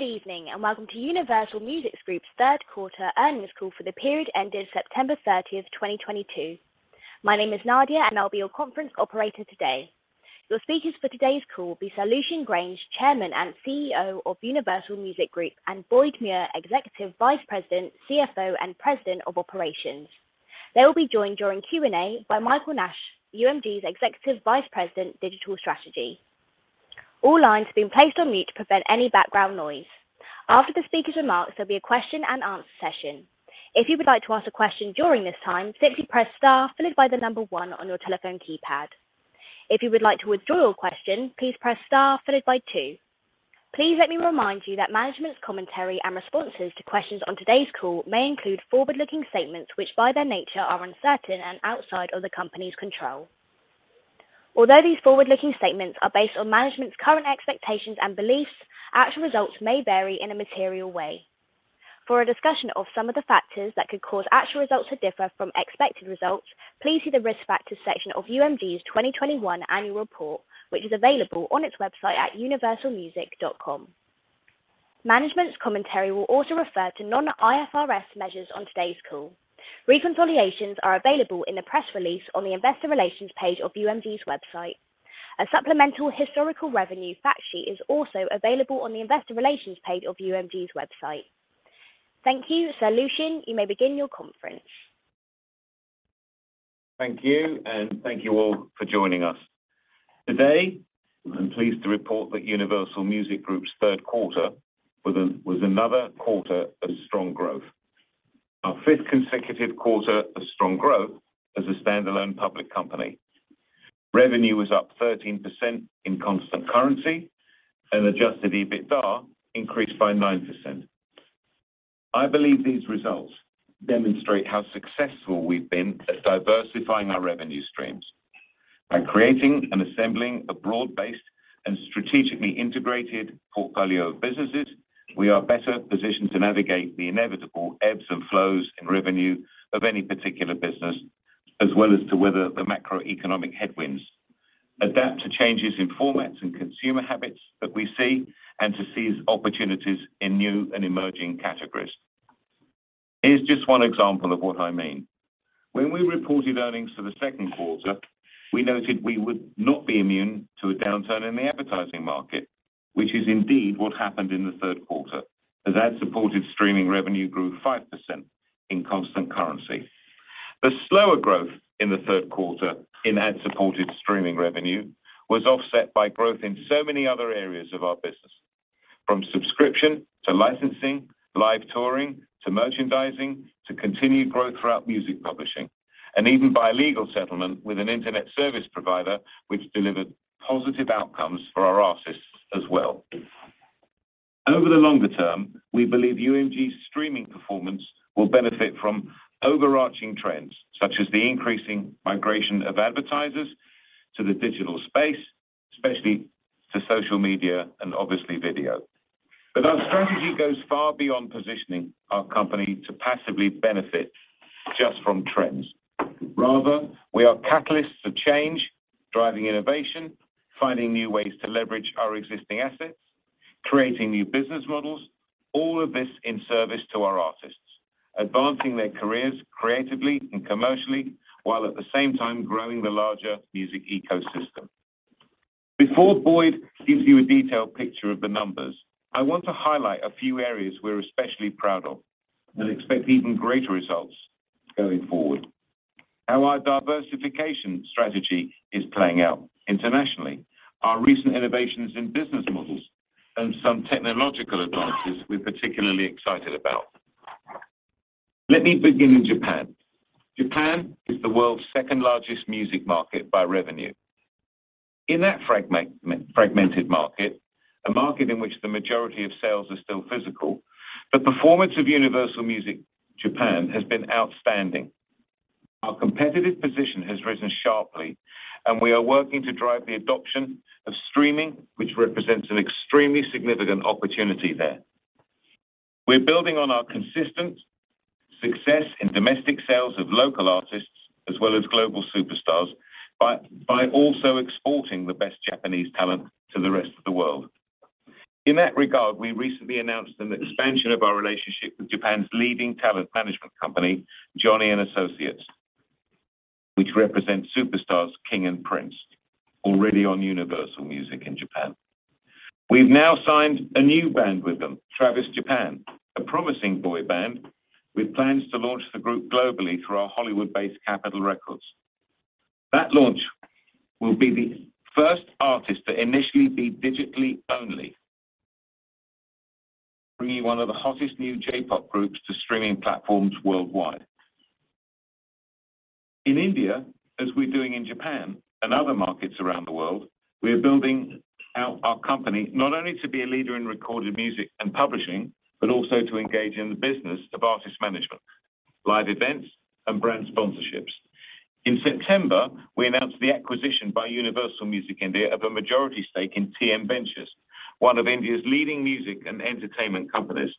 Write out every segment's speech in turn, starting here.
Good evening, and welcome to Universal Music Group's third quarter earnings call for the period ending September 30, 2022. My name is Nadia, and I'll be your conference operator today. Your speakers for today's call will be Lucian Grainge, Chairman and CEO of Universal Music Group, and Boyd Muir, Executive Vice President, CFO, and President of Operations. They will be joined during Q&A by Michael Nash, UMG's Executive Vice President, Digital Strategy. All lines have been placed on mute to prevent any background noise. After the speakers' remarks, there'll be a question and answer session. If you would like to ask a question during this time, simply press star followed by the number one on your telephone keypad. If you would like to withdraw your question, please press star followed by two. Please let me remind you that management's commentary and responses to questions on today's call may include forward-looking statements, which by their nature are uncertain and outside of the company's control. Although these forward-looking statements are based on management's current expectations and beliefs, actual results may vary in a material way. For a discussion of some of the factors that could cause actual results to differ from expected results, please see the Risk Factors section of UMG's 2021 annual report, which is available on its website at universalmusic.com. Management's commentary will also refer to non-IFRS measures on today's call. Reconciliations are available in the press release on the investor relations page of UMG's website. A supplemental historical revenue fact sheet is also available on the investor relations page of UMG's website. Thank you. Sir Lucian, you may begin your conference. Thank you, and thank you all for joining us. Today, I'm pleased to report that Universal Music Group's third quarter was another quarter of strong growth. Our fifth consecutive quarter of strong growth as a standalone public company. Revenue was up 13% in constant currency and adjusted EBITDA increased by 9%. I believe these results demonstrate how successful we've been at diversifying our revenue streams. By creating and assembling a broad-based and strategically integrated portfolio of businesses, we are better positioned to navigate the inevitable ebbs and flows in revenue of any particular business, as well as to weather the macroeconomic headwinds, adapt to changes in formats and consumer habits that we see, and to seize opportunities in new and emerging categories. Here's just one example of what I mean. When we reported earnings for the second quarter, we noted we would not be immune to a downturn in the advertising market, which is indeed what happened in the third quarter. The ad-supported streaming revenue grew 5% in constant currency. The slower growth in the third quarter in ad-supported streaming revenue was offset by growth in so many other areas of our business, from subscription to licensing, live touring, to merchandising, to continued growth throughout music publishing, and even by legal settlement with an internet service provider which delivered positive outcomes for our artists as well. Over the longer term, we believe UMG's streaming performance will benefit from overarching trends, such as the increasing migration of advertisers to the digital space, especially to social media and obviously video. Our strategy goes far beyond positioning our company to passively benefit just from trends. Rather, we are catalysts for change, driving innovation, finding new ways to leverage our existing assets, creating new business models, all of this in service to our artists, advancing their careers creatively and commercially, while at the same time growing the larger music ecosystem. Before Boyd gives you a detailed picture of the numbers, I want to highlight a few areas we're especially proud of and expect even greater results going forward. How our diversification strategy is playing out internationally, our recent innovations in business models, and some technological advances we're particularly excited about. Let me begin in Japan. Japan is the world's second-largest music market by revenue. In that fragmented market, a market in which the majority of sales are still physical, the performance of Universal Music Japan has been outstanding. Our competitive position has risen sharply, and we are working to drive the adoption of streaming, which represents an extremely significant opportunity there. We're building on our consistent success in domestic sales of local artists as well as global superstars by also exporting the best Japanese talent to the rest of the world. In that regard, we recently announced an expansion of our relationship with Japan's leading talent management company, Johnny & Associates, which represents superstars King & Prince, already on Universal Music Japan. We've now signed a new band with them, Travis Japan, a promising boy band with plans to launch the group globally through our Hollywood-based Capitol Records. That launch will be the first artist to initially be digitally only, bringing one of the hottest new J-pop groups to streaming platforms worldwide. In India, as we're doing in Japan and other markets around the world, we are building out our company not only to be a leader in recorded music and publishing, but also to engage in the business of artist management, live events, and brand sponsorships. In September, we announced the acquisition by Universal Music India of a majority stake in TM Ventures, one of India's leading music and entertainment companies.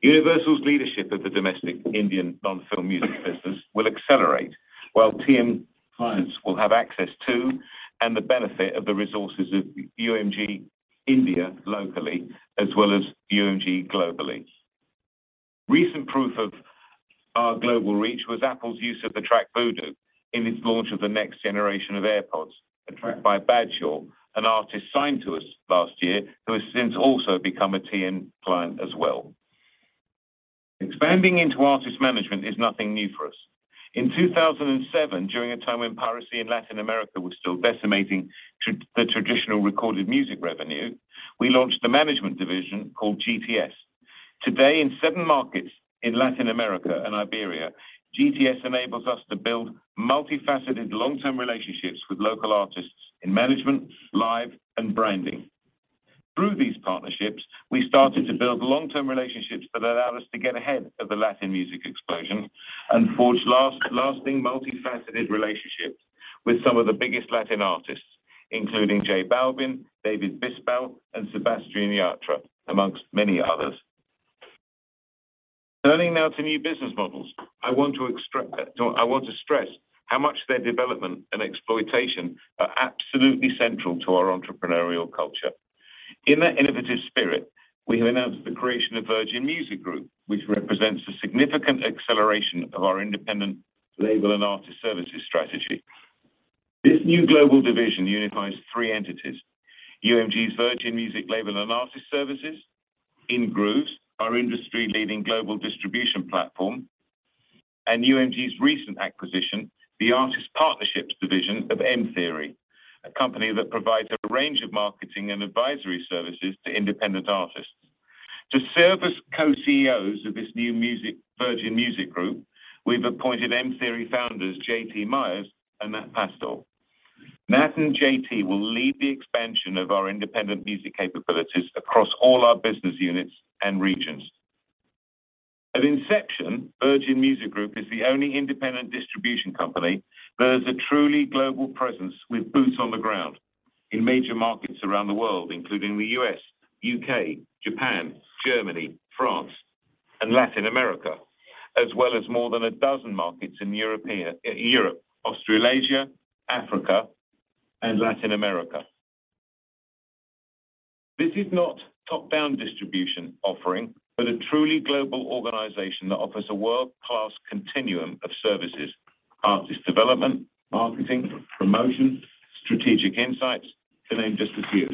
Universal's leadership of the domestic Indian non-film music business will accelerate while TM clients will have access to and the benefit of the resources of UMG India locally, as well as UMG globally. Recent proof of our global reach was Apple's use of the track VooDoo in its launch of the next generation of AirPods, a track by Badshah, an artist signed to us last year, who has since also become a TM client as well. Expanding into artist management is nothing new for us. In 2007, during a time when piracy in Latin America was still decimating the traditional recorded music revenue, we launched a management division called GTS. Today, in seven markets in Latin America and Iberia, GTS enables us to build multifaceted long-term relationships with local artists in management, live, and branding. Through these partnerships, we started to build long-term relationships that allowed us to get ahead of the Latin music explosion and forge lasting, multifaceted relationships with some of the biggest Latin artists, including J Balvin, David Bisbal, and Sebastián Yatra, among many others. Turning now to new business models, I want to stress how much their development and exploitation are absolutely central to our entrepreneurial culture. In that innovative spirit, we have announced the creation of Virgin Music Group, which represents a significant acceleration of our independent label and artist services strategy. This new global division unifies three entities, UMG's Virgin Music Label and Artist Services, Ingrooves, our industry-leading global distribution platform, and UMG's recent acquisition, the Artist Partnerships division of mtheory, a company that provides a range of marketing and advisory services to independent artists. To serve as co-CEOs of this new Virgin Music Group, we've appointed mtheory founders, JT Myers and Matt Pincus. Matt and JT will lead the expansion of our independent music capabilities across all our business units and regions. At inception, Virgin Music Group is the only independent distribution company that has a truly global presence with boots on the ground in major markets around the world, including the U.S., U.K., Japan, Germany, France, and Latin America, as well as more than a dozen markets in Europe, Australasia, Africa, and Latin America. This is not top-down distribution offering, but a truly global organization that offers a world-class continuum of services, artist development, marketing, promotion, strategic insights, to name just a few.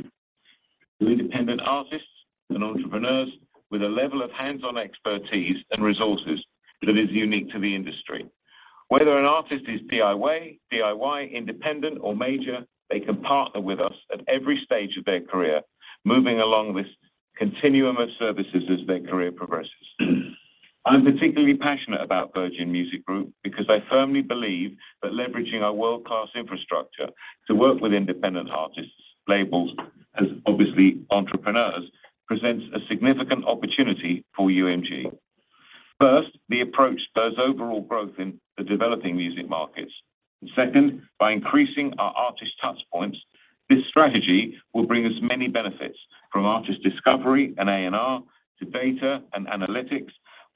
We're independent artists and entrepreneurs with a level of hands-on expertise and resources that is unique to the industry. Whether an artist is DIY, independent, or major, they can partner with us at every stage of their career, moving along this continuum of services as their career progresses. I'm particularly passionate about Virgin Music Group because I firmly believe that leveraging our world-class infrastructure to work with independent artists, labels and, obviously, entrepreneurs, presents a significant opportunity for UMG. First, the approach spurs overall growth in the developing music markets. Second, by increasing our artist touch points, this strategy will bring us many benefits from artist discovery and A&R to data and analytics,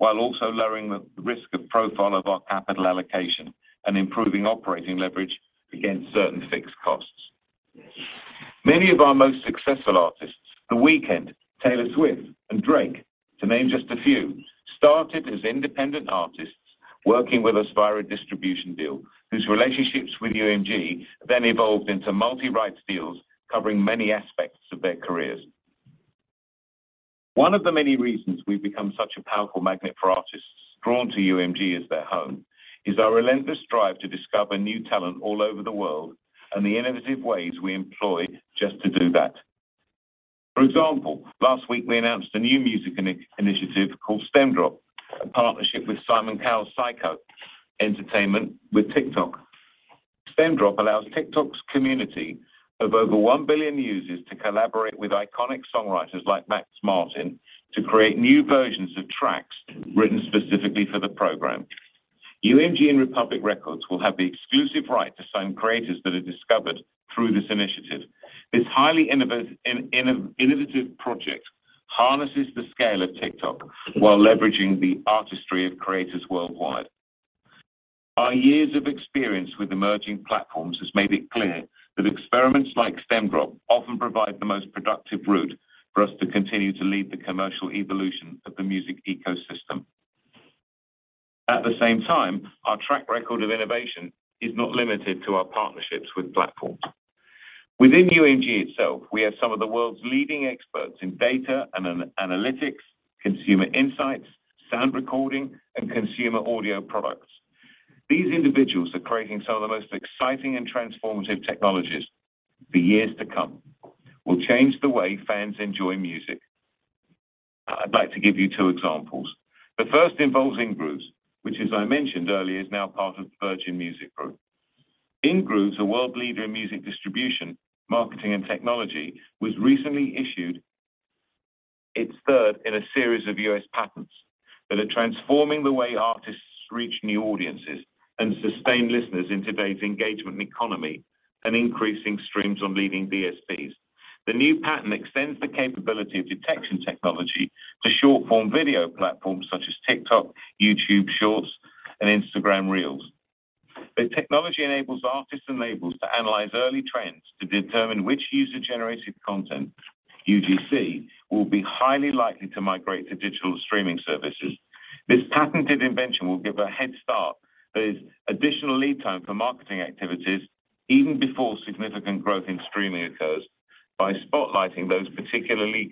while also lowering the risk profile of our capital allocation and improving operating leverage against certain fixed costs. Many of our most successful artists, The Weeknd, Taylor Swift, and Drake, to name just a few, started as independent artists working with us via a distribution deal, whose relationships with UMG then evolved into multi-rights deals covering many aspects of their careers. One of the many reasons we've become such a powerful magnet for artists drawn to UMG as their home is our relentless drive to discover new talent all over the world and the innovative ways we employ just to do that. For example, last week, we announced a new music initiative called StemDrop, a partnership with Simon Cowell's Syco Entertainment with TikTok. StemDrop allows TikTok's community of over one billion users to collaborate with iconic songwriters like Max Martin to create new versions of tracks written specifically for the program. UMG and Republic Records will have the exclusive right to sign creators that are discovered through this initiative. This highly innovative project harnesses the scale of TikTok while leveraging the artistry of creators worldwide. Our years of experience with emerging platforms has made it clear that experiments like StemDrop often provide the most productive route for us to continue to lead the commercial evolution of the music ecosystem. At the same time, our track record of innovation is not limited to our partnerships with platforms. Within UMG itself, we have some of the world's leading experts in data and analytics, consumer insights, sound recording, and consumer audio products. These individuals are creating some of the most exciting and transformative technologies for years to come. We'll change the way fans enjoy music. I'd like to give you two examples. The first involves Ingrooves, which, as I mentioned earlier, is now part of Virgin Music Group. Ingrooves, a world leader in music distribution, marketing, and technology, was recently issued its third in a series of U.S. patents that are transforming the way artists reach new audiences and sustain listeners in today's engagement economy and increasing streams on leading VSPs. The new patent extends the capability of detection technology to short-form video platforms such as TikTok, YouTube Shorts, and Instagram Reels. The technology enables artists and labels to analyze early trends to determine which user-generated content, UGC, will be highly likely to migrate to digital streaming services. This patented invention will give a head start that is additional lead time for marketing activities even before significant growth in streaming occurs by spotlighting those particularly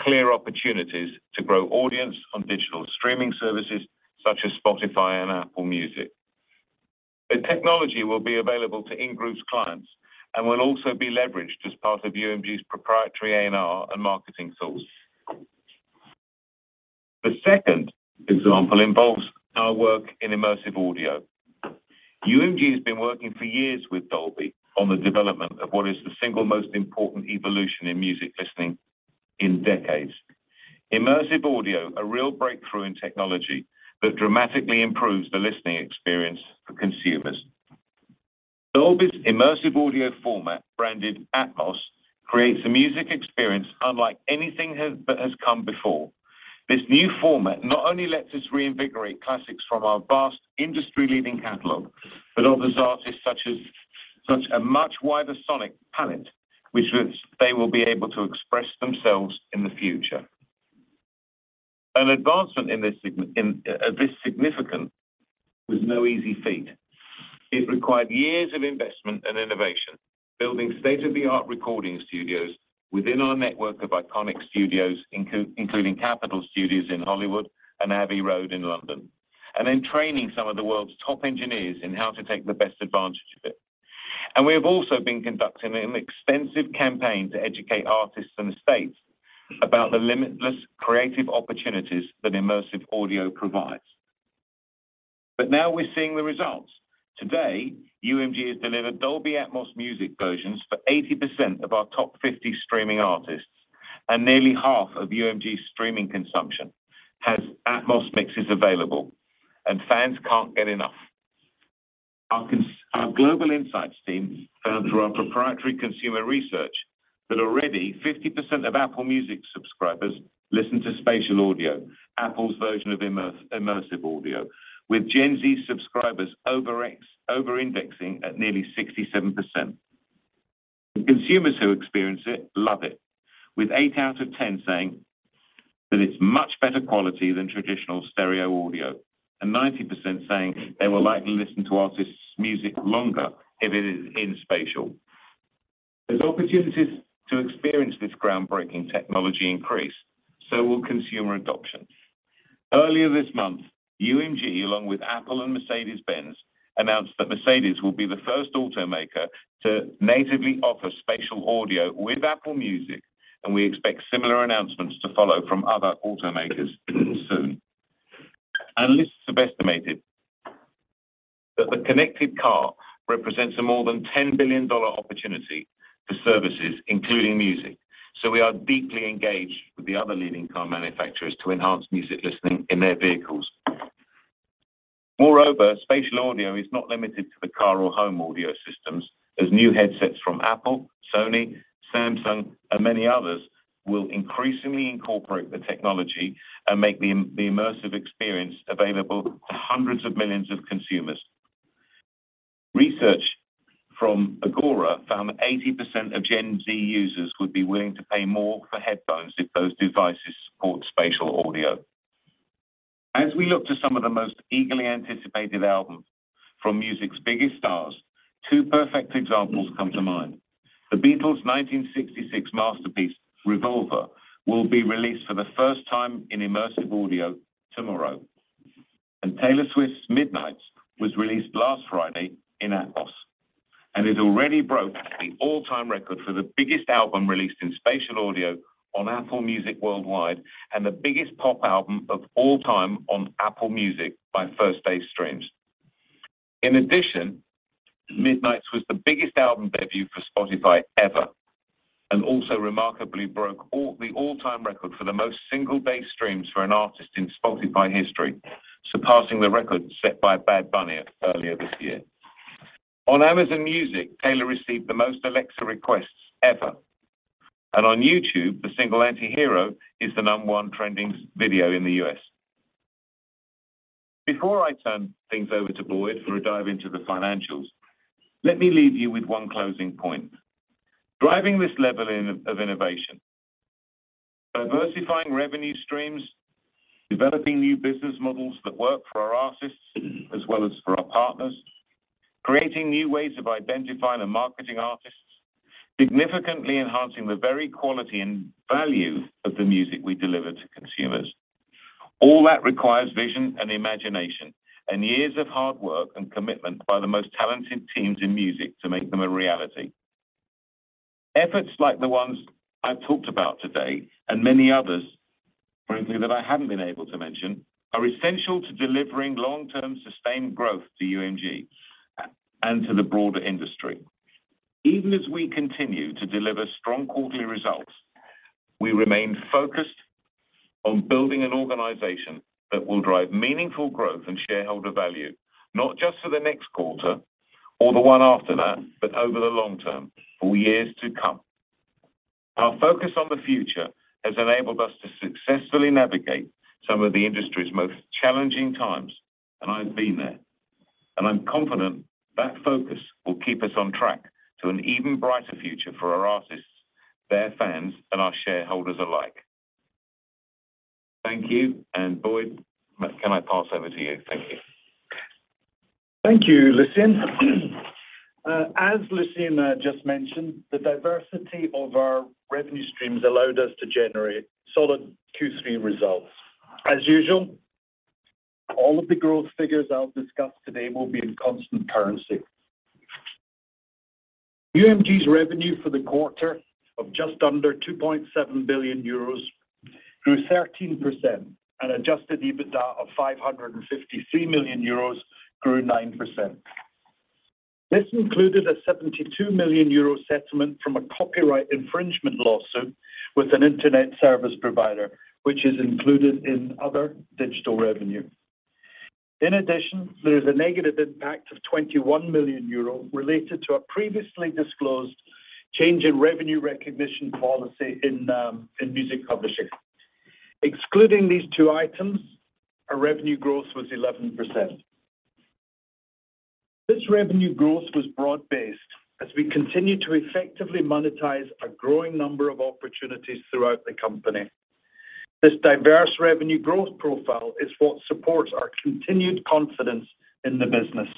clear opportunities to grow audience on digital streaming services such as Spotify and Apple Music. The technology will be available to Ingrooves clients and will also be leveraged as part of UMG's proprietary A&R and marketing services. The second example involves our work in immersive audio. UMG has been working for years with Dolby on the development of what is the single most important evolution in music listening in decades. Immersive audio, a real breakthrough in technology that dramatically improves the listening experience for consumers. Dolby's immersive audio format, branded Atmos, creates a music experience unlike anything that has come before. This new format not only lets us reinvigorate classics from our vast industry-leading catalog, but offers artists such a much wider sonic palette, which they will be able to express themselves in the future. An advancement of this significance was no easy feat. It required years of investment and innovation, building state-of-the-art recording studios within our network of iconic studios, including Capitol Studios in Hollywood and Abbey Road Studios in London, and then training some of the world's top engineers in how to take the best advantage of it. We have also been conducting an extensive campaign to educate artists and estates about the limitless creative opportunities that immersive audio provides. Now we're seeing the results. Today, UMG has delivered Dolby Atmos music versions for 80% of our top 50 streaming artists, and nearly half of UMG's streaming consumption has Atmos mixes available, and fans can't get enough. Our global insights team found through our proprietary consumer research that already 50% of Apple Music subscribers listen to Spatial Audio, Apple's version of immersive audio, with Gen Z subscribers over-indexing at nearly 67%. The consumers who experience it love it, with eight out of 10 saying that it's much better quality than traditional stereo audio, and 90% saying they will likely listen to artist's music longer if it is in Spatial Audio. As opportunities to experience this groundbreaking technology increase, so will consumer adoption. Earlier this month, UMG, along with Apple and Mercedes-Benz, announced that Mercedes will be the first automaker to natively offer Spatial Audio with Apple Music, and we expect similar announcements to follow from other automakers soon. Analysts have estimated that the connected car represents a more than $10 billion opportunity for services, including music, so we are deeply engaged with the other leading car manufacturers to enhance music listening in their vehicles. Moreover, spatial audio is not limited to the car or home audio systems, as new headsets from Apple, Sony, Samsung, and many others will increasingly incorporate the technology and make the immersive experience available to hundreds of millions of consumers. Research from Agora found that 80% of Gen Z users would be willing to pay more for headphones if those devices support spatial audio. As we look to some of the most eagerly anticipated albums from music's biggest stars, two perfect examples come to mind. The Beatles' 1966 masterpiece, Revolver, will be released for the first time in immersive audio tomorrow. Taylor Swift's Midnights was released last Friday in Atmos, and it already broke the all-time record for the biggest album released in spatial audio on Apple Music worldwide and the biggest pop album of all time on Apple Music by first-day streams. In addition, Midnights was the biggest album debut for Spotify ever and also remarkably broke the all-time record for the most single-day streams for an artist in Spotify history, surpassing the record set by Bad Bunny earlier this year. On Amazon Music, Taylor received the most Alexa requests ever, and on YouTube, the single Anti-Hero is the number one trending video in the U.S. Before I turn things over to Boyd for a dive into the financials, let me leave you with one closing point. Driving this level of innovation, diversifying revenue streams, developing new business models that work for our artists as well as for our partners, creating new ways of identifying and marketing artists, significantly enhancing the very quality and value of the music we deliver to consumers. All that requires vision and imagination, and years of hard work and commitment by the most talented teams in music to make them a reality. Efforts like the ones I've talked about today, and many others, frankly, that I haven't been able to mention, are essential to delivering long-term sustained growth to UMG and to the broader industry. Even as we continue to deliver strong quarterly results, we remain focused on building an organization that will drive meaningful growth and shareholder value, not just for the next quarter or the one after that, but over the long term for years to come. Our focus on the future has enabled us to successfully navigate some of the industry's most challenging times, and I've been there, and I'm confident that focus will keep us on track to an even brighter future for our artists, their fans, and our shareholders alike. Thank you. Boyd Muir, can I pass over to you? Thank you. Thank you, Lucian. As Lucian just mentioned, the diversity of our revenue streams allowed us to generate solid third quarter results. As usual, all of the growth figures I'll discuss today will be in constant currency. UMG's revenue for the quarter of just under 2.7 billion euros grew 13% and adjusted EBITDA of 553 million euros grew 9%. This included a 72 million euro settlement from a copyright infringement lawsuit with an Internet service provider, which is included in other digital revenue. In addition, there is a negative impact of 21 million euro related to a previously disclosed change in revenue recognition policy in Music Publishing. Excluding these two items, our revenue growth was 11%. This revenue growth was broad-based as we continue to effectively monetize a growing number of opportunities throughout the company. This diverse revenue growth profile is what supports our continued confidence in the business.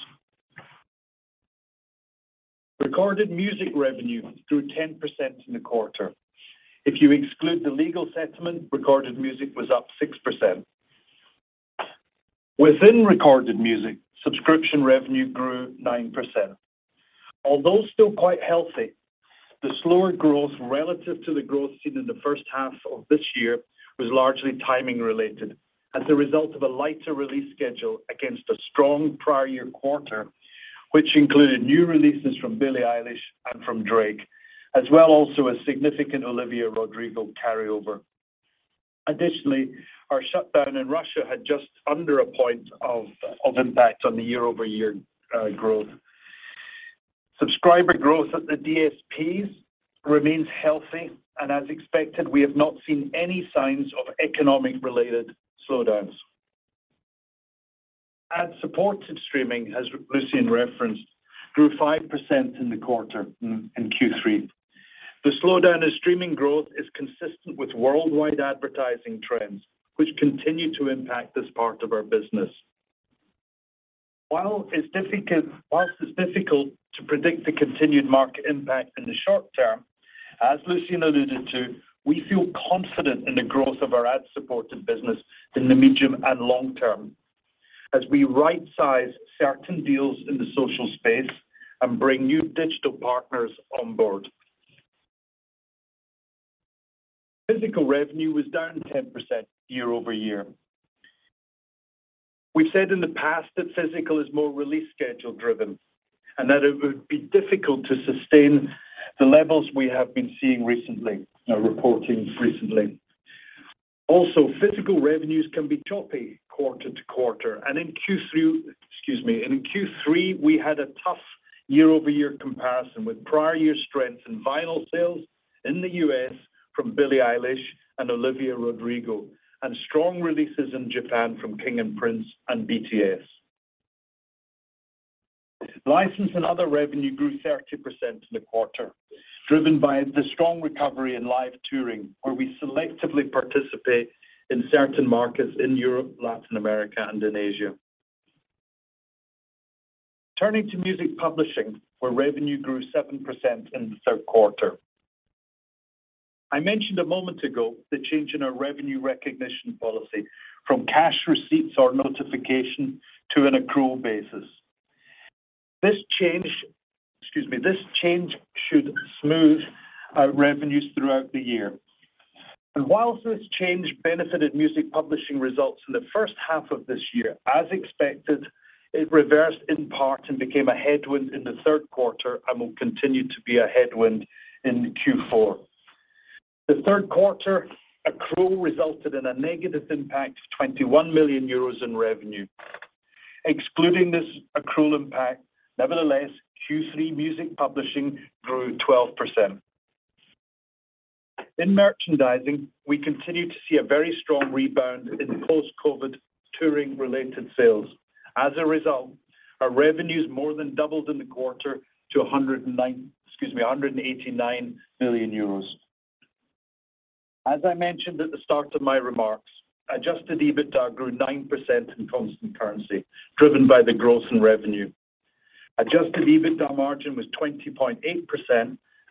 Recorded music revenue grew 10% in the quarter. If you exclude the legal settlement, recorded music was up 6%. Within recorded music, subscription revenue grew 9%. Although still quite healthy, the slower growth relative to the growth seen in the first half of this year was largely timing-related as a result of a lighter release schedule against a strong prior year quarter, which included new releases from Billie Eilish and from Drake, as well also a significant Olivia Rodrigo carryover. Additionally, our shutdown in Russia had just under a point of impact on the year-over-year growth. Subscriber growth at the DSPs remains healthy, and as expected, we have not seen any signs of economic-related slowdowns. Ad-supported streaming, as Lucian referenced, grew 5% in the quarter, in third quarter. The slowdown in streaming growth is consistent with worldwide advertising trends, which continue to impact this part of our business. While it's difficult to predict the continued market impact in the short term, as Lucian alluded to, we feel confident in the growth of our ad-supported business in the medium and long term as we right-size certain deals in the social space and bring new digital partners on board. Physical revenue was down 10% year-over-year. We've said in the past that physical is more release schedule-driven, and that it would be difficult to sustain the levels we have been seeing recently, or reporting recently. Also, physical revenues can be choppy quarter to quarter. In Q3, we had a tough year-over-year comparison with prior year strength in vinyl sales in the U.S. from Billie Eilish and Olivia Rodrigo and strong releases in Japan from King & Prince and BTS. Licensing and other revenue grew 30% in the quarter, driven by the strong recovery in live touring, where we selectively participate in certain markets in Europe, Latin America, and in Asia. Turning to Music Publishing, where revenue grew 7% in the third quarter. I mentioned a moment ago the change in our revenue recognition policy from cash receipts or notification to an accrual basis. This change should smooth our revenues throughout the year. While this change benefited Music Publishing results in the first half of this year, as expected, it reversed in part and became a headwind in the third quarter and will continue to be a headwind in fourth quarter. The third quarter accrual resulted in a negative impact of 21 million euros in revenue. Excluding this accrual impact, nevertheless, third quarter Music Publishing grew 12%. In Merchandising, we continue to see a very strong rebound in post-COVID touring-related sales. As a result, our revenues more than doubled in the quarter to 189 million euros. As I mentioned at the start of my remarks, adjusted EBITDA grew 9% in constant currency, driven by the growth in revenue. Adjusted EBITDA margin was 20.8%,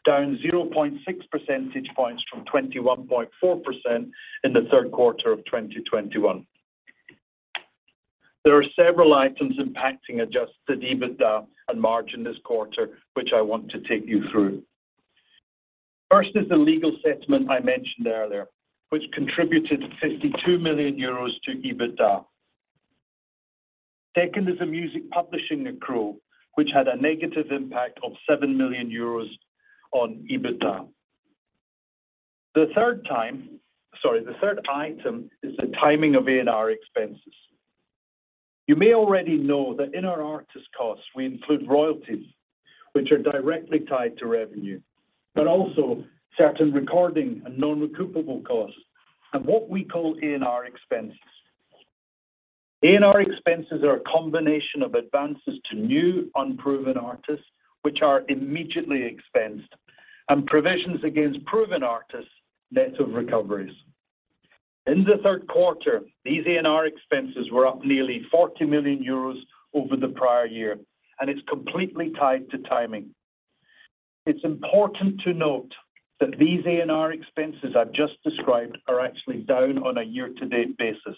down 0.6% points from 21.4% in the third quarter of 2021. There are several items impacting adjusted EBITDA and margin this quarter, which I want to take you through. First is the legal settlement I mentioned earlier, which contributed 52 million euros to EBITDA. Taken as a music publishing accrual, which had a negative impact of 7 million euros on EBITDA. The third item is the timing of A&R expenses. You may already know that in our artist costs, we include royalties, which are directly tied to revenue, but also certain recording and non-recoupable costs and what we call A&R expenses. A&R expenses are a combination of advances to new unproven artists, which are immediately expensed, and provisions against proven artists net of recoveries. In the third quarter, these A&R expenses were up nearly 40 million euros over the prior year, and it's completely tied to timing. It's important to note that these A&R expenses I've just described are actually down on a year-to-date basis,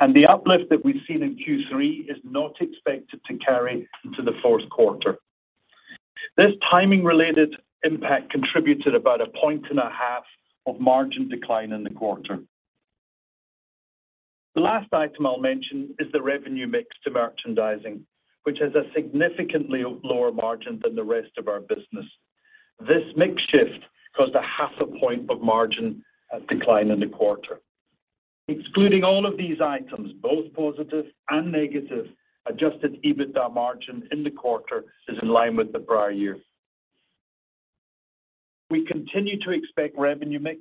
and the uplift that we've seen in third quarter is not expected to carry into the fourth quarter. This timing-related impact contributed about 1.5% of margin decline in the quarter. The last item I'll mention is the revenue mix to merchandising, which has a significantly lower margin than the rest of our business. This mix shift caused 0.5% of margin decline in the quarter. Excluding all of these items, both positive and negative, adjusted EBITDA margin in the quarter is in line with the prior year. We continue to expect revenue mix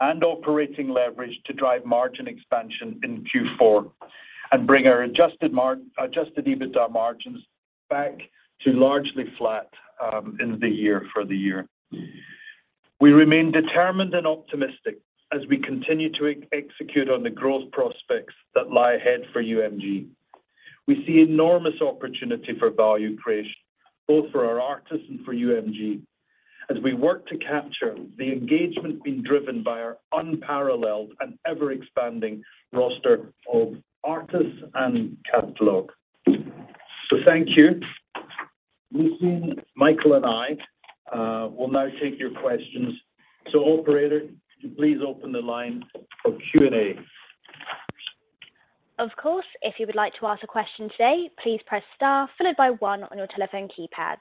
and operating leverage to drive margin expansion in fourth quarter and bring our adjusted EBITDA margins back to largely flat in the year, for the year. We remain determined and optimistic as we continue to execute on the growth prospects that lie ahead for UMG. We see enormous opportunity for value creation, both for our artists and for UMG, as we work to capture the engagement being driven by our unparalleled and ever-expanding roster of artists and catalog. Thank you. Lucian, Michael, and I will now take your questions. Operator, could you please open the line for Q&A? Of course. If you would like to ask a question today, please press star followed by one on your telephone keypads.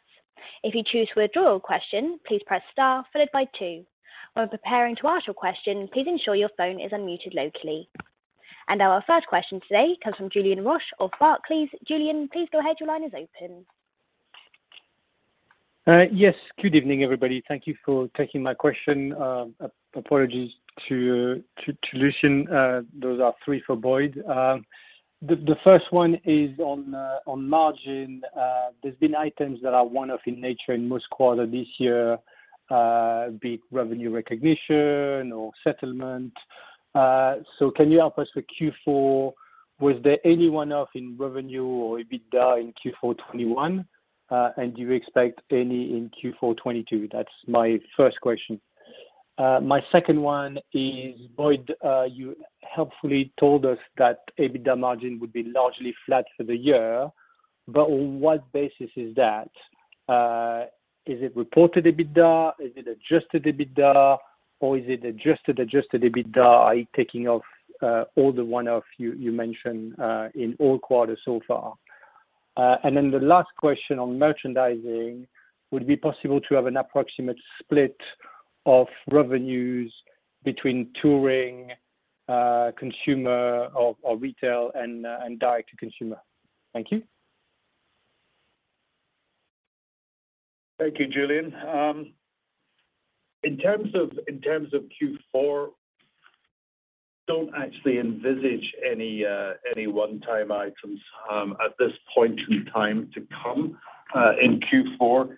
If you choose to withdraw a question, please press star followed by two. When preparing to ask your question, please ensure your phone is unmuted locally. Our first question today comes from Julien Roch of Barclays. Julien, please go ahead. Your line is open. Yes. Good evening, everybody. Thank you for taking my question. Apologies to Lucian. Those are three for Boyd. The first one is on margin. There has been items that are one-off in nature in most quarters this year, be it revenue recognition or settlement. Can you help us with fourth quarter? Was there any one-off in revenue or EBITDA in fourth quarter 2021? Do you expect any in fourth quarter 2022? That's my first question. My second one is, Boyd, you helpfully told us that EBITDA margin would be largely flat for the year, but on what basis is that? Is it reported EBITDA? Is it adjusted EBITDA, or is it adjusted EBITDA, taking off all the one-offs you mentioned in all quarters so far? The last question on merchandising, would it be possible to have an approximate split of revenues between touring, consumer or retail and direct-to-consumer? Thank you. Thank you, Julien. In terms of fourth quarter, don't actually envisage any one-time items at this point in time to come in fourth quarter.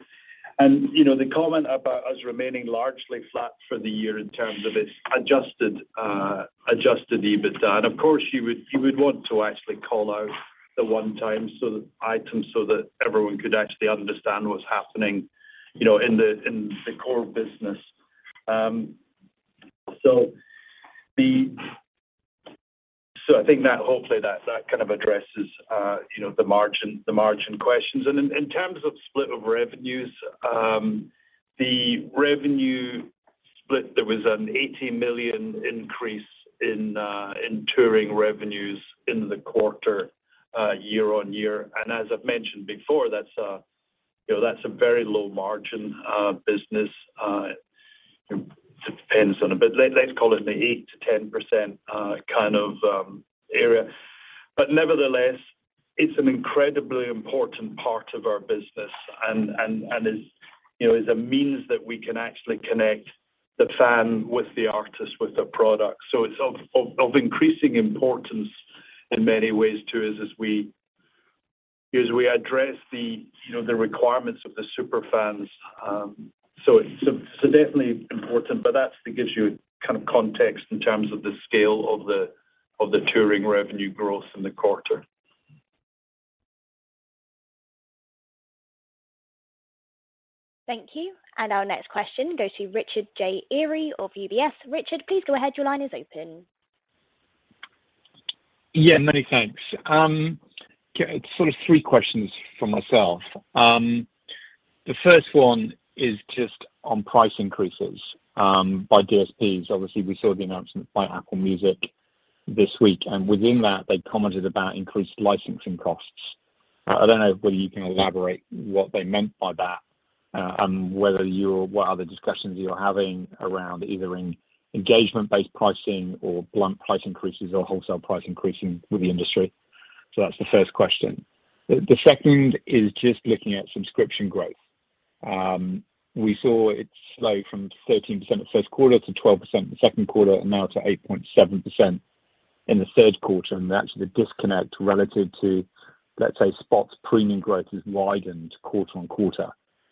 You know, the comment about us remaining largely flat for the year in terms of its adjusted EBITDA. Of course you would want to actually call out the one-time items so that everyone could actually understand what's happening, you know, in the core business. I think that hopefully that kind of addresses, you know, the margin questions. In terms of split of revenues, the revenue split, there was an 80 million increase in touring revenues in the quarter year-over-year. As I've mentioned before, that's a you know very low margin business. Depends on a bit. Let's call it in the 8%-10% kind of area. Nevertheless, it's an incredibly important part of our business and is a means that we can actually connect the fan with the artist with the product. It's of increasing importance in many ways to us as we address the requirements of the super fans. Definitely important, but that's to give you kind of context in terms of the scale of the touring revenue growth in the quarter. Thank you. Our next question goes to Richard Eary of UBS. Richard, please go ahead. Your line is open. Yeah, many thanks. Okay, it's sort of three questions from myself. The first one is just on price increases by DSPs. Obviously, we saw the announcement by Apple Music this week, and within that, they commented about increased licensing costs. I don't know whether you can elaborate what they meant by that, and whether what other discussions you're having around either in engagement-based pricing or blunt price increases or wholesale price increasing with the industry. So that's the first question. The second is just looking at subscription growth. We saw it slow from 13% at first quarter to 12% the second quarter, and now to 8.7% in the third quarter. That's the disconnect relative to, let's say, Spotify's premium growth has widened quarter-over-quarter.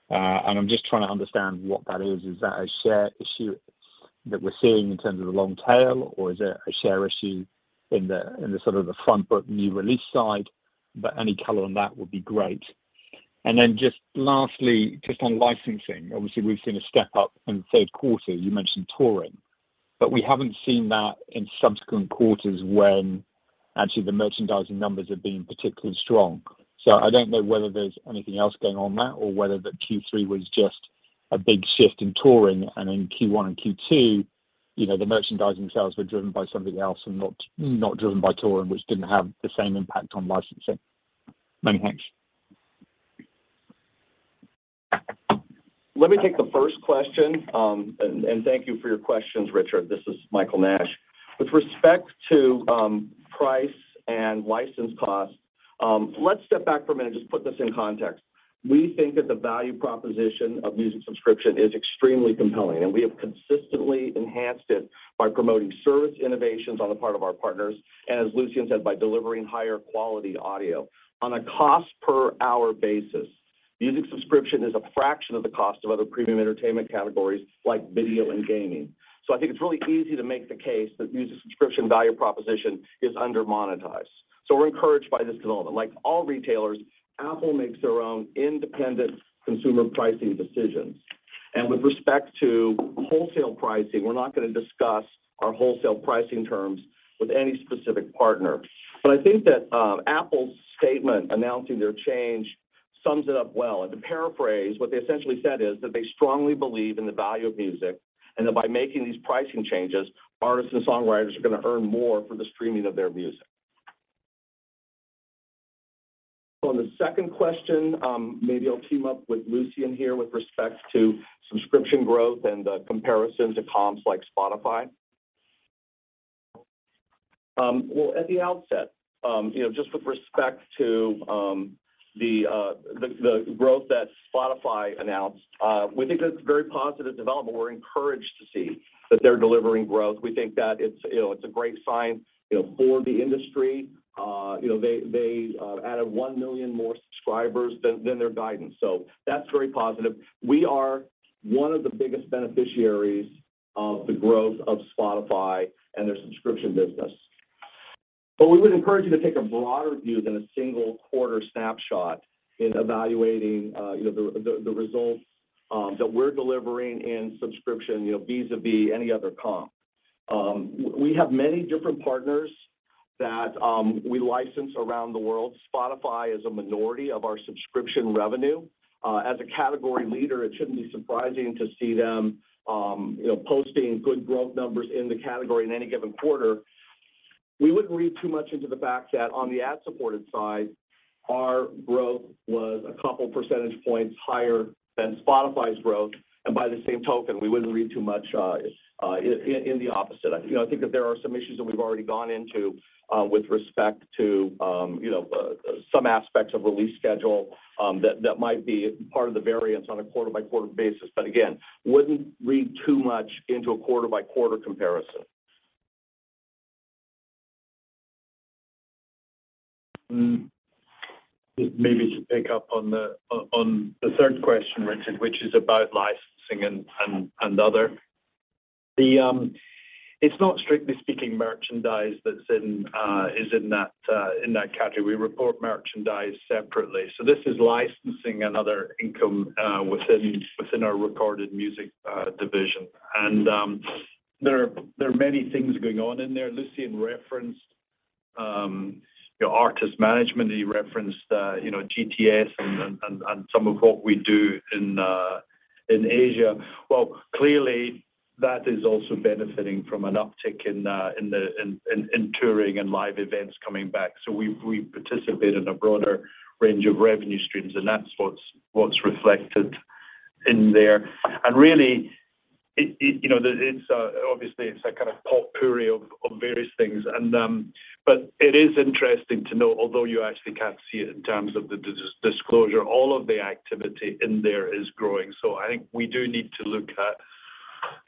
I'm just trying to understand what that is. Is that a share issue that we're seeing in terms of the long tail, or is it a share issue in the sort of the front book new release side? Any color on that would be great. Just lastly, just on licensing, obviously, we've seen a step-up in third quarter, you mentioned touring. We haven't seen that in subsequent quarters when actually the merchandising numbers have been particularly strong. I don't know whether there's anything else going on there or whether the third quarter was just a big shift in touring and in first quarter and second quarter, you know, the merchandising sales were driven by something else and not driven by touring, which didn't have the same impact on licensing. Many thanks. Let me take the first question, and thank you for your questions, Richard. This is Michael Nash. With respect to price and license costs, let's step back for a minute and just put this in context. We think that the value proposition of music subscription is extremely compelling, and we have consistently enhanced it by promoting service innovations on the part of our partners, and as Lucian said, by delivering higher quality audio. On a cost per hour basis, music subscription is a fraction of the cost of other premium entertainment categories like video and gaming. I think it's really easy to make the case that music subscription value proposition is under-monetized. We're encouraged by this development. Like all retailers, Apple makes their own independent consumer pricing decisions. With respect to wholesale pricing, we're not going to discuss our wholesale pricing terms with any specific partner. I think that Apple's statement announcing their change sums it up well. To paraphrase, what they essentially said is that they strongly believe in the value of music, and that by making these pricing changes, artists and songwriters are going to earn more for the streaming of their music. On the second question, maybe I'll team up with Lucian here with respect to subscription growth and the comparison to comps like Spotify. Well, at the outset, you know, just with respect to the growth that Spotify announced, we think that's a very positive development. We're encouraged to see that they're delivering growth. We think that it's, you know, a great sign, you know, for the industry. You know, they added 1 million more subscribers than their guidance. That's very positive. We are one of the biggest beneficiaries of the growth of Spotify and their subscription business. We would encourage you to take a broader view than a single quarter snapshot in evaluating, you know, the results that we're delivering in subscription, you know, vis-a'-vis any other comp. We have many different partners that we license around the world. Spotify is a minority of our subscription revenue. As a category leader, it shouldn't be surprising to see them, you know, posting good growth numbers in the category in any given quarter. We wouldn't read too much into the fact that on the ad-supported side, our growth was a couple percentage points higher than Spotify's growth. By the same token, we wouldn't read too much in the opposite. You know, I think that there are some issues that we've already gone into with respect to you know some aspects of release schedule that might be part of the variance on a quarter-by-quarter basis. But again, wouldn't read too much into a quarter-by-quarter comparison. Maybe to pick up on the third question, Richard, which is about licensing and other. It's not strictly speaking merchandise that's in that category. We report merchandise separately. This is licensing and other income within our recorded music division. There are many things going on in there. Lucian referenced, you know, artist management. He referenced, you know, GTS and some of what we do in Asia. Well, clearly, that is also benefiting from an up-tick in touring and live events coming back. We participate in a broader range of revenue streams, and that's what's reflected in there. Really, you know, it's obviously a kind of potpourri of various things. But it is interesting to know, although you actually can't see it in terms of the disclosure, all of the activity in there is growing. I think we do need to look at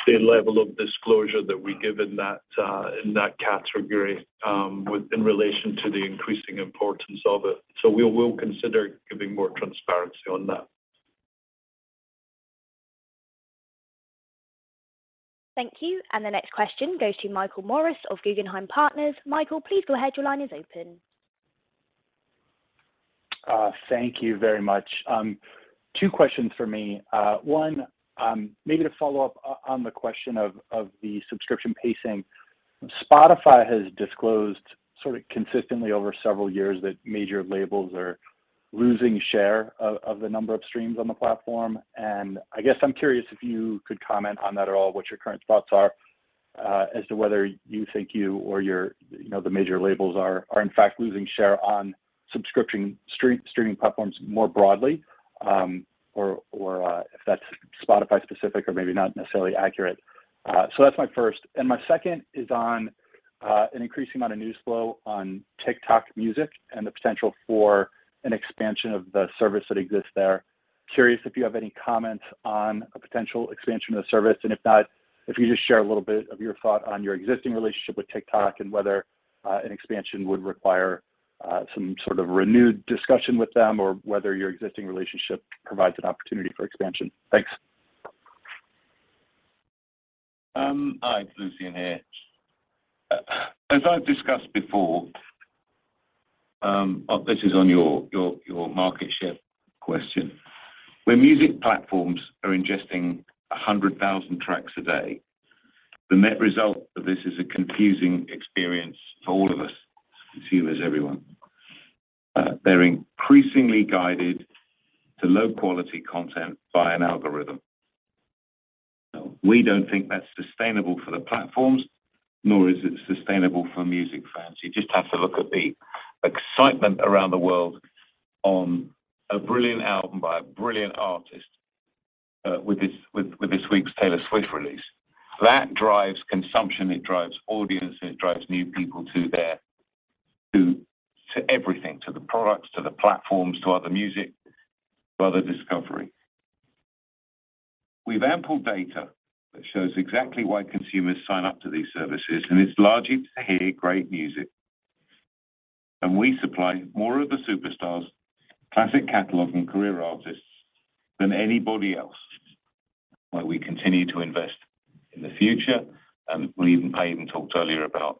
the level of disclosure that we give in that category in relation to the increasing importance of it. We will consider giving more transparency on that. Thank you. The next question goes to Michael Morris of Guggenheim Partners. Michael, please go ahead. Your line is open. Thank you very much. Two questions for me. One, maybe to follow-up on the question of the subscription pacing. Spotify has disclosed sort of consistently over several years that major labels are losing share of the number of streams on the platform. I guess I'm curious if you could comment on that at all, what your current thoughts are, as to whether you think you or your, you know, the major labels are in fact losing share on subscription streaming platforms more broadly, or if that's Spotify specific or maybe not necessarily accurate. So that's my first. My second is on an increasing amount of news flow on TikTok Music and the potential for an expansion of the service that exists there. Curious if you have any comments on a potential expansion of the service, and if not, if you just share a little bit of your thought on your existing relationship with TikTok and whether an expansion would require some sort of renewed discussion with them or whether your existing relationship provides an opportunity for expansion? Thanks. Hi, it's Lucian here. As I've discussed before, this is on your market share question. Where music platforms are ingesting 100,000 tracks a day, the net result of this is a confusing experience for all of us, consumers, everyone. They're increasingly guided to low-quality content by an algorithm. We don't think that's sustainable for the platforms, nor is it sustainable for music fans. You just have to look at the excitement around the world on a brilliant album by a brilliant artist, with this week's Taylor Swift release. That drives consumption, it drives audience, and it drives new people to there, to everything, to the products, to the platforms, to other music, to other discovery. We've ample data that shows exactly why consumers sign up to these services, and it's largely to hear great music. We supply more of the superstars, classic catalog, and career artists than anybody else, where we continue to invest in the future, and Boyd Muir talked earlier about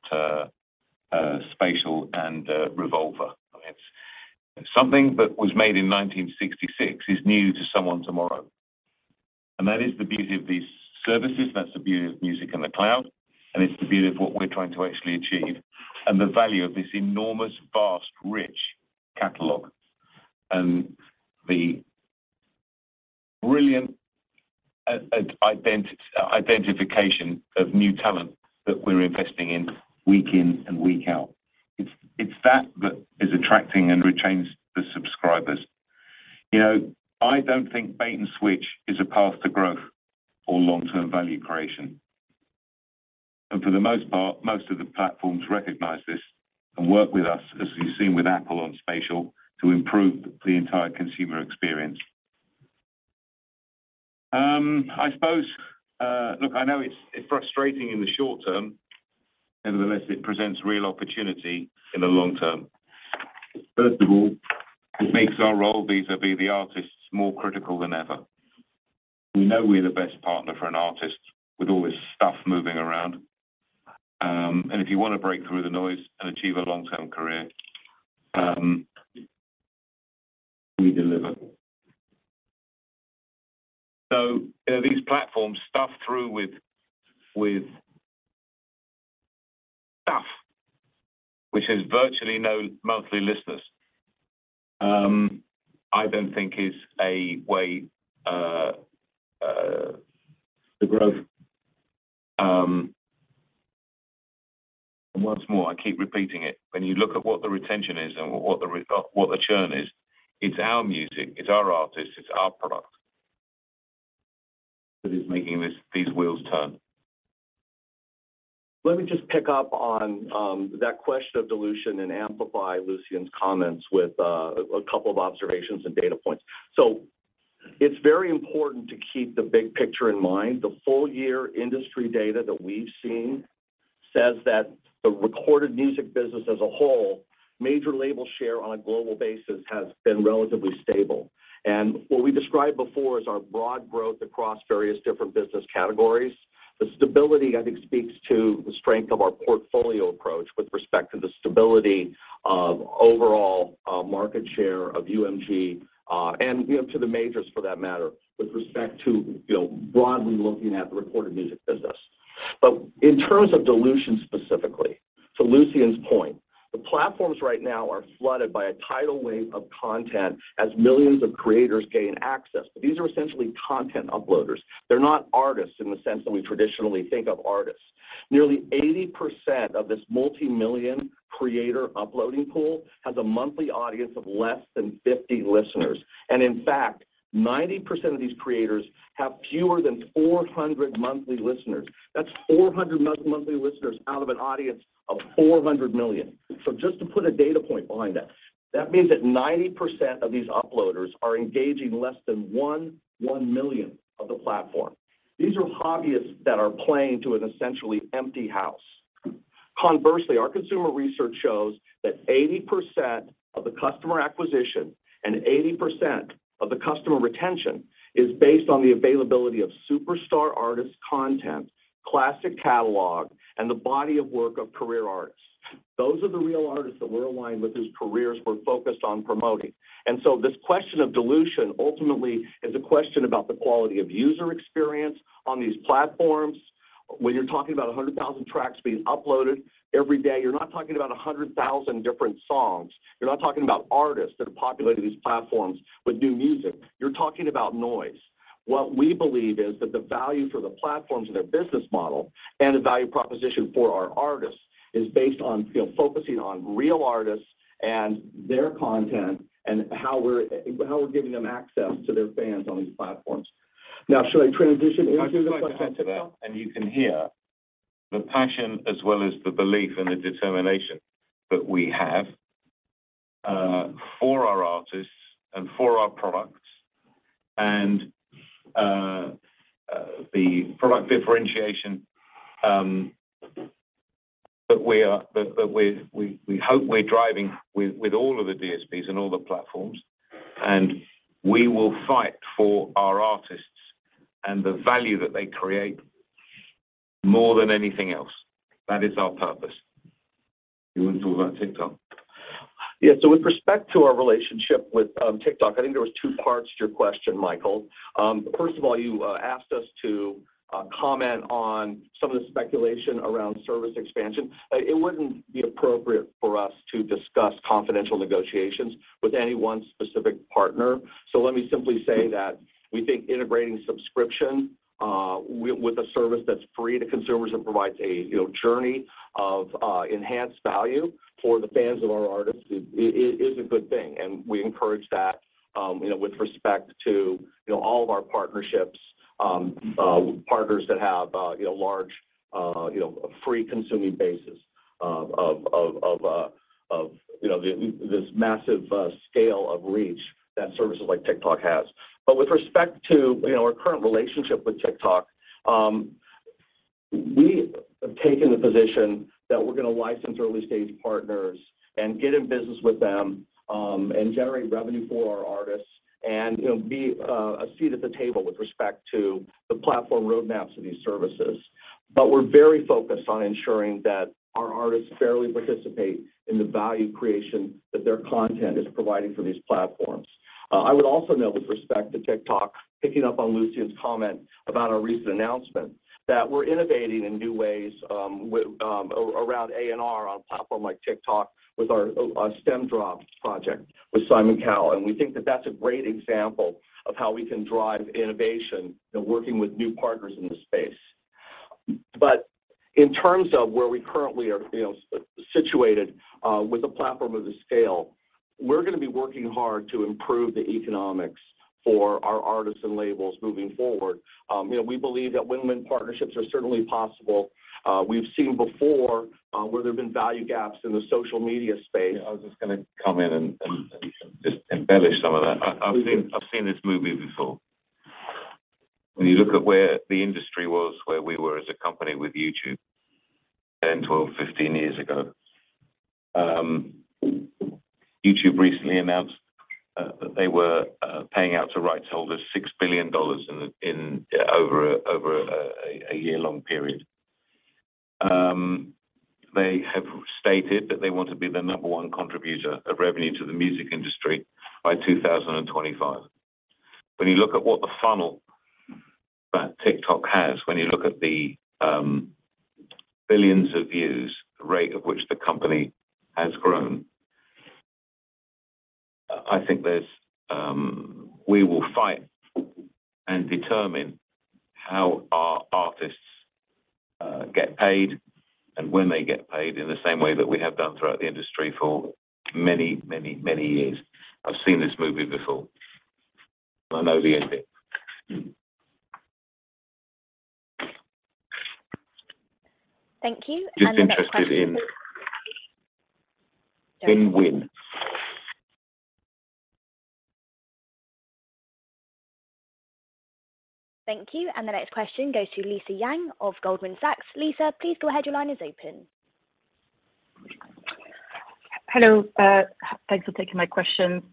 Spatial and Revolver. I mean, something that was made in 1966 is new to someone tomorrow. That is the beauty of these services, that's the beauty of music in the cloud, and it's the beauty of what we're trying to actually achieve, and the value of this enormous, vast, rich catalog. The brilliant identification of new talent that we're investing in week in and week out. It's that is attracting and retains the subscribers. You know, I don't think bait and switch is a path to growth or long-term value creation. For the most part, most of the platforms recognize this and work with us, as we've seen with Apple on Spatial, to improve the entire consumer experience. I suppose, look, I know it's frustrating in the short term. Nevertheless, it presents real opportunity in the long term. First of all, it makes our role vis-à-vis the artists more critical than ever. We know we're the best partner for an artist with all this stuff moving around. If you wanna break through the noise and achieve a long-term career, we deliver. You know, these platforms stuffed through with stuff which has virtually no monthly listeners, I don't think is a way to grow. Once more, I keep repeating it. When you look at what the retention is and what the churn is, it's our music, it's our artists, it's our products that is making these wheels turn. Let me just pick up on that question of dilution and amplify Lucian's comments with a couple of observations and data points. It's very important to keep the big picture in mind. The full year industry data that we've seen says that the recorded music business as a whole, major label share on a global basis has been relatively stable. What we described before is our broad growth across various different business categories. The stability, I think, speaks to the strength of our portfolio approach with respect to the stability of overall market share of UMG, and, you know, to the majors for that matter, with respect to, you know, broadly looking at the recorded music business. In terms of dilution specifically, to Lucian's point, the platforms right now are flooded by a tidal wave of content as millions of creators gain access. These are essentially content uploaders. They're not artists in the sense that we traditionally think of artists. Nearly 80% of this multimillion creator uploading pool has a monthly audience of less than 50 listeners. In fact, 90% of these creators have fewer than 400 monthly listeners. That's 400 monthly listeners out of an audience of 400 million. Just to put a data point behind that means that 90% of these uploaders are engaging less than one-millionth of the platform. These are hobbyists that are playing to an essentially empty house. Conversely, our consumer research shows that 80% of the customer acquisition and 80% of the customer retention is based on the availability of superstar artist content, classic catalog, and the body of work of career artists. Those are the real artists that we're aligned with whose careers we're focused on promoting. This question of dilution ultimately is a question about the quality of user experience on these platforms. When you're talking about 100,000 tracks being uploaded every day, you're not talking about 100,000 different songs. You're not talking about artists that have populated these platforms with new music. You're talking about noise. What we believe is that the value for the platforms and their business model and the value proposition for our artists is based on focusing on real artists and their content and how we're giving them access to their fans on these platforms. Now, should I transition into the platform? I'd just like to add to that, and you can hear the passion as well as the belief and the determination that we have for our artists and for our products and the product differentiation that we hope we're driving with all of the DSPs and all the platforms. We will fight for our artists and the value that they create more than anything else. That is our purpose. You want to talk about TikTok? Yeah. With respect to our relationship with TikTok, I think there was two parts to your question, Michael. First of all, you asked us to comment on some of the speculation around service expansion. It wouldn't be appropriate for us to discuss confidential negotiations with any one specific partner. Let me simply say that we think integrating subscription with a service that's free to consumers and provides a you know journey of enhanced value for the fans of our artists is a good thing, and we encourage that you know with respect to you know all of our partnerships partners that have you know large you know free consuming bases of you know this massive scale of reach that services like TikTok has. With respect to, you know, our current relationship with TikTok, we have taken the position that we're gonna license early-stage partners and get in business with them, and generate revenue for our artists and, you know, be a seat at the table with respect to the platform roadmaps of these services. We're very focused on ensuring that our artists fairly participate in the value creation that their content is providing for these platforms. I would also note with respect to TikTok, picking up on Lucian's comment about our recent announcement, that we're innovating in new ways with A&R on a platform like TikTok with our StemDrop project with Simon Cowell. We think that that's a great example of how we can drive innovation working with new partners in the space. In terms of where we currently are, you know, situated, with a platform of this scale, we're gonna be working hard to improve the economics for our artists and labels moving forward. You know, we believe that win-win partnerships are certainly possible. We've seen before, where there have been value gaps in the social media space. I was just gonna come in and just embellish some of that. I've seen this movie before. When you look at where the industry was, where we were as a company with YouTube 10, 12, 15 years ago, YouTube recently announced that they were paying out to rights holders $6 billion in over a year-long period. They have stated that they want to be the number one contributor of revenue to the music industry by 2025. When you look at what the funnel that TikTok has, when you look at the billions of views, the rate of which the company has grown. We will fight and determine how our artists get paid and when they get paid in the same way that we have done throughout the industry for many years. I've seen this movie before. I know the ending. Thank you. The next question. Just interested in win-win. Thank you. The next question goes to Lisa Yang of Goldman Sachs. Lisa, please go ahead. Your line is open. Hello. Thanks for taking my question.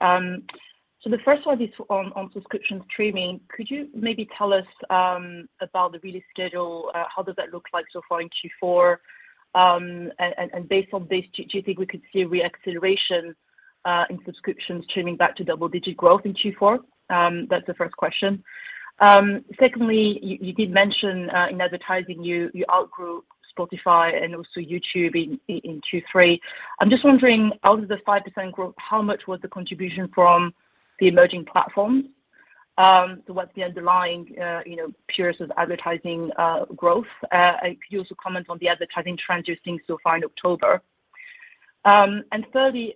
So the first one is on subscription streaming. Could you maybe tell us about the release schedule? How does that look like so far in fourth quarter? And based on this, do you think we could see a reacceleration in subscriptions streaming back to double-digit growth in fourth quarter? That's the first question. Secondly, you did mention in advertising, you outgrew Spotify and also YouTube in third quarter. I'm just wondering, out of the 5% growth, how much was the contribution from the emerging platforms? So what's the underlying, you know, purest of advertising growth? Could you also comment on the advertising trends you're seeing so far in October? And thirdly,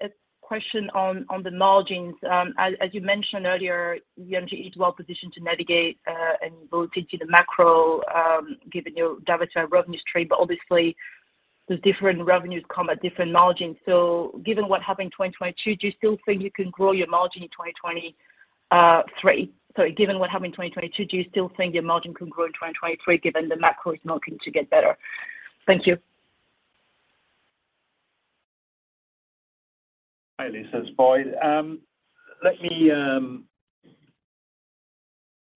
a question on the margins. As you mentioned earlier, UMG is well positioned to navigate any volatility in the macro, given your diversity of revenue stream, but obviously, the different revenues come at different margins. Given what happened in 2022, do you still think your margin can grow in 2023 given the macro is not going to get better? Thank you. Hi, Lisa. It's Boyd. Let me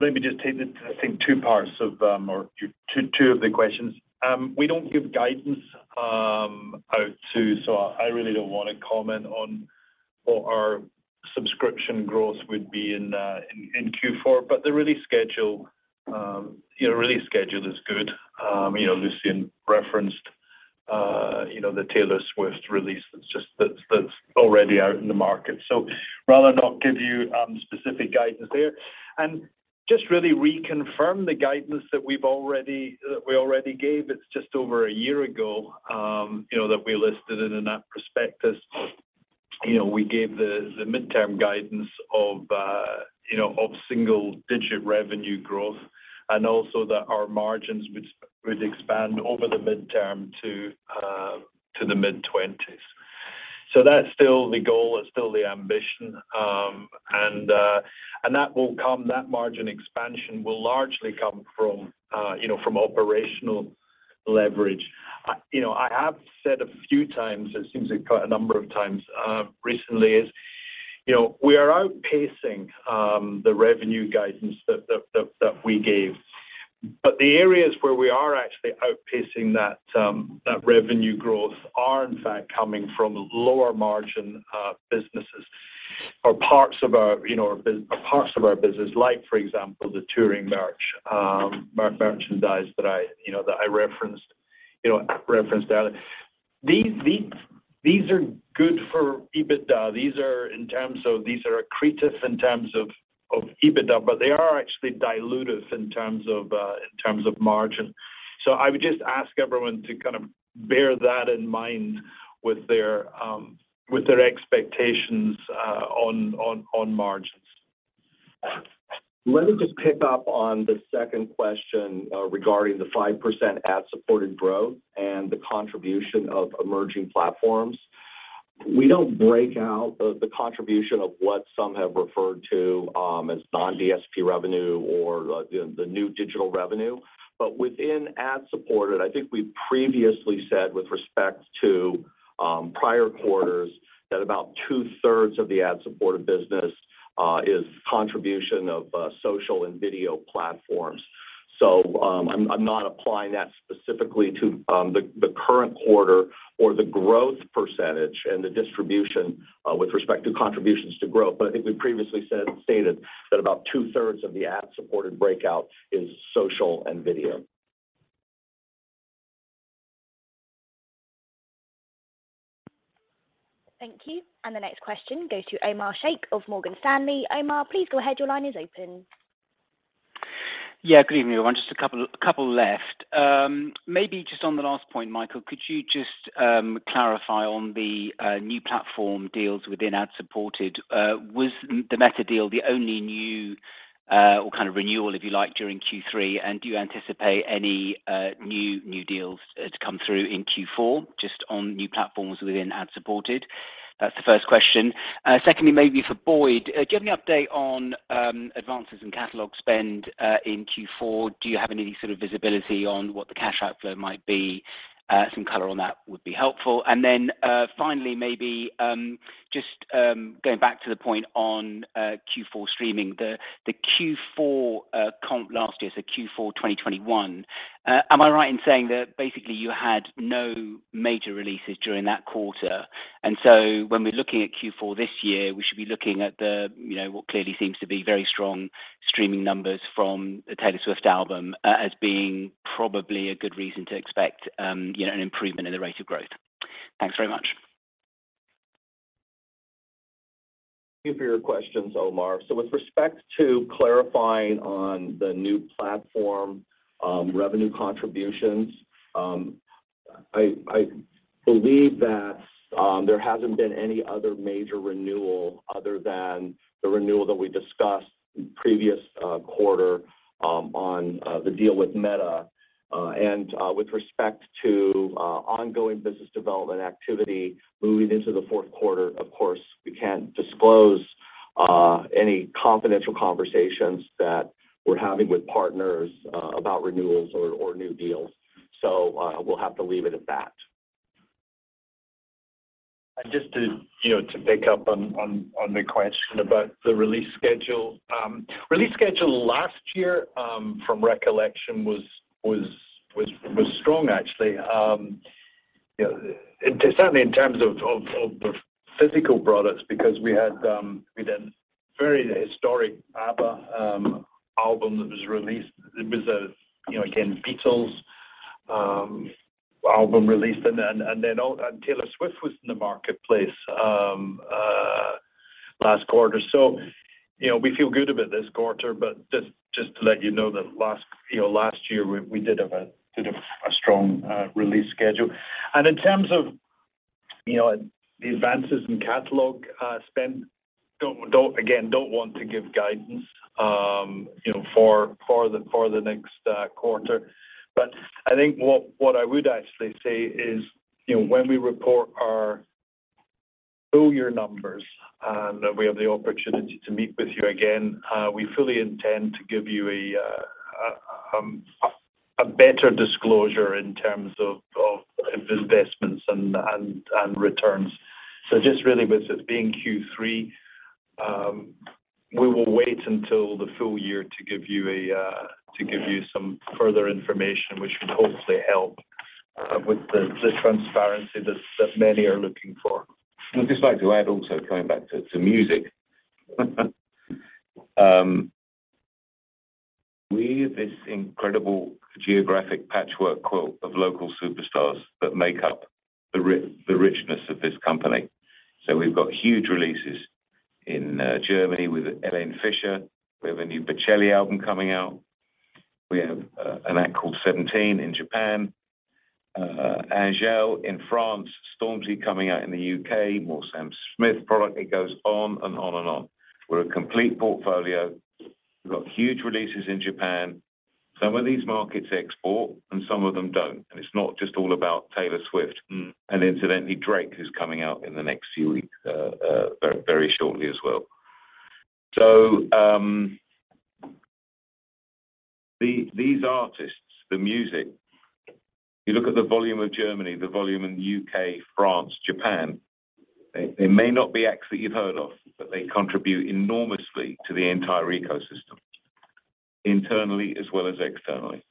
Let me just take the, I think two parts of or two of the questions. We don't give guidance out to so I really don't wanna comment on what our subscription growth would be in fourth quarter. The release schedule, you know, is good. You know, Lucian referenced you know the Taylor Swift release that's already out in the market. Rather not give you specific guidance there and just really reconfirm the guidance that we already gave. It's just over a year ago, you know, that we listed it in that prospectus. You know, we gave the midterm guidance of single-digit revenue growth and also that our margins would expand over the midterm to the mid-20s. That's still the goal and still the ambition. That margin expansion will largely come from, you know, from operational leverage. I have said a few times, it seems like quite a number of times, recently, you know, we are outpacing the revenue guidance that we gave. The areas where we are actually outpacing that revenue growth are in fact coming from lower margin businesses or parts of our, you know, or parts of our business. Like for example, the touring merchandise that I referenced earlier. These are good for EBITDA. These are accretive in terms of EBITDA, but they are actually dilutive in terms of margin. I would just ask everyone to kind of bear that in mind with their expectations on margins. Let me just pick up on the second question, regarding the 5% ad-supported growth and the contribution of emerging platforms. We don't break out the contribution of what some have referred to as non-DSP revenue or, you know, the new digital revenue. Within ad-supported, I think we previously said with respect to prior quarters, that about two-thirds of the ad-supported business is contribution of social and video platforms. I'm not applying that specifically to the current quarter or the growth percentage and the distribution with respect to contributions to growth. I think we previously stated that about two-thirds of the ad-supported breakout is social and video. Thank you. The next question goes to Omar Sheikh of Morgan Stanley. Omar, please go ahead. Your line is open. Yeah. Good evening, everyone. Just a couple left. Maybe just on the last point, Michael, could you just clarify on the new platform deals within ad supported? Was the Meta deal the only new or kind of renewal, if you like, during third quarter? And do you anticipate any new deals to come through in fourth quarter just on new platforms within ad supported? That's the first question. Secondly, maybe for Boyd, do you have any update on advances in catalog spend in fourth quarter? Do you have any sort of visibility on what the cash outflow might be? Some color on that would be helpful. And then finally, maybe just going back to the point on fourth quarter streaming, the fourth quarter comp last year, so fourth quarter 2021. Am I right in saying that basically you had no major releases during that quarter, and so when we are looking at fourth quarter this year, we should be looking at the, you know, what clearly seems to be very strong streaming numbers from the Taylor Swift album as being probably a good reason to expect, you know, an improvement in the rate of growth? Thanks very much. Thank you for your questions, Omar. With respect to clarifying on the new platform revenue contributions, I believe that there hasn't been any other major renewal other than the renewal that we discussed previous quarter on the deal with Meta. With respect to ongoing business development activity moving into the fourth quarter, of course, we can't disclose any confidential conversations that we're having with partners about renewals or new deals. We'll have to leave it at that. Just to pick up on the question about the release schedule. Release schedule last year, from recollection, was strong actually. You know, certainly in terms of physical products because we had a very historic ABBA album that was released. There was, you know, again, a Beatles album released and then Taylor Swift was in the marketplace last quarter. So, you know, we feel good about this quarter. Just to let you know that last year we did have a strong release schedule. In terms of the advances in catalog spend, don't want to give guidance again, you know, for the next quarter. I think what I would actually say is, you know, when we report our full year numbers and we have the opportunity to meet with you again, we fully intend to give you a better disclosure in terms of investments and returns. Just really with it being third quarter, we will wait until the full year to give you some further information, which would hopefully help with the transparency that many are looking for. I'd just like to add also coming back to music. We have this incredible geographic patchwork quilt of local superstars that make up the richness of this company. We've got huge releases in Germany with Helene Fischer. We have a new Bocelli album coming out. We have an act called Seventeen in Japan, Angèle in France, Stormzy coming out in the U.K, more Sam Smith product. It goes on and on and on. We're a complete portfolio. We've got huge releases in Japan. Some of these markets export, and some of them don't. It's not just all about Taylor Swift. Mm. Incidentally, Drake, who's coming out in the next few weeks, very shortly as well. These artists, the music, you look at the volume of Germany, the volume in the U.K, France, Japan, they may not be acts that you've heard of, but they contribute enormously to the entire ecosystem, internally as well as externally.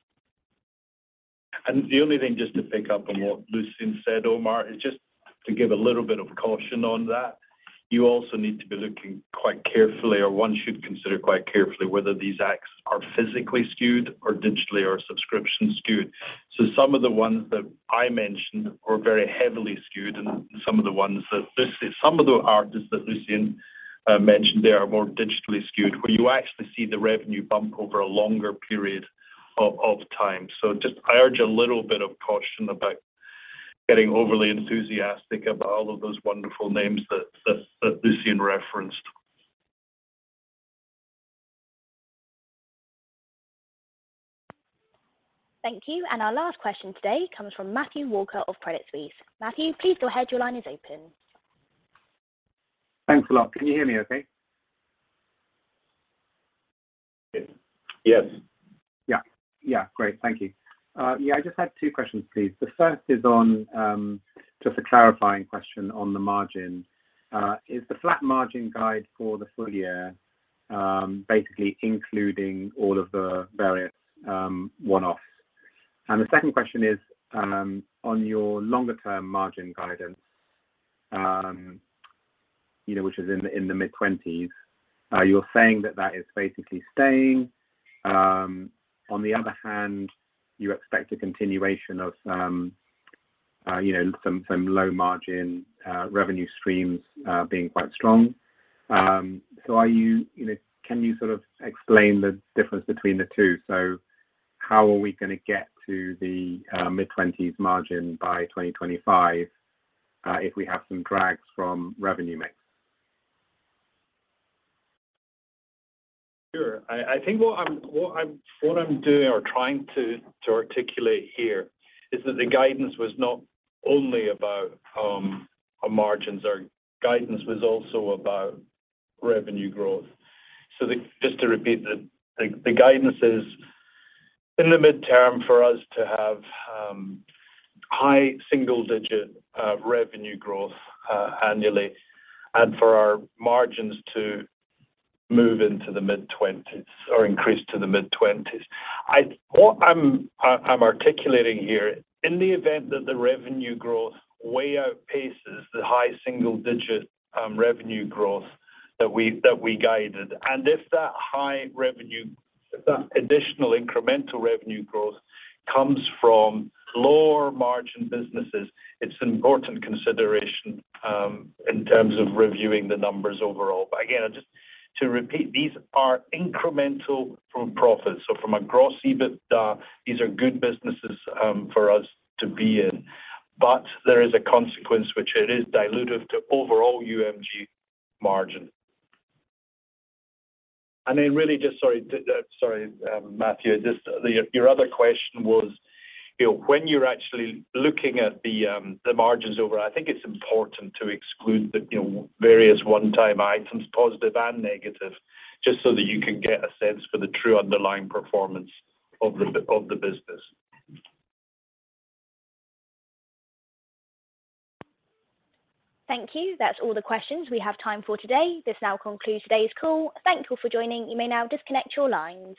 The only thing just to pick up on what Lucian said, Omar, is just to give a little bit of caution on that. You also need to be looking quite carefully, or one should consider quite carefully, whether these acts are physically skewed or digitally or subscription skewed. Some of the ones that I mentioned are very heavily skewed, and some of the ones that Some of the artists that Lucian mentioned there are more digitally skewed, where you actually see the revenue bump over a longer period of time. Just I urge a little bit of caution about getting overly enthusiastic about all of those wonderful names that that Lucian referenced. Thank you. Our last question today comes from Matthew Walker of Credit Suisse. Matthew, please go ahead. Your line is open. Thanks a lot. Can you hear me okay? Yes. Yeah. Yeah, great. Thank you. Yeah, I just had two questions, please. The first is just a clarifying question on the margin. Is the flat margin guide for the full year basically including all of the various one-offs? The second question is on your longer term margin guidance, you know, which is in the mid-20s%. Are you saying that is basically staying? On the other hand, you expect a continuation of some you know some low margin revenue streams being quite strong. Are you you know can you sort of explain the difference between the two? How are we gonna get to the mid-20s margin by 2025 if we have some drags from revenue mix? Sure. I think what I'm doing or trying to articulate here is that the guidance was not only about our margins. Our guidance was also about revenue growth. Just to repeat, the guidance is in the mid-term for us to have high single digit revenue growth annually, and for our margins to move into the mid-20s or increase to the mid-20s. What I'm articulating here, in the event that the revenue growth way outpaces the high single digit revenue growth that we guided, and if that additional incremental revenue growth comes from lower margin businesses, it's an important consideration in terms of reviewing the numbers overall. Again, just to repeat, these are incremental from profits. From a gross EBITDA, these are good businesses for us to be in. There is a consequence which it is dilutive to overall UMG margin. Sorry, Matthew. Your other question was, you know, when you're actually looking at the margins over, I think it's important to exclude the, you know, various one-time items, positive and negative, just so that you can get a sense for the true underlying performance of the business. Thank you. That's all the questions we have time for today. This now concludes today's call. Thank you all for joining. You may now disconnect your lines.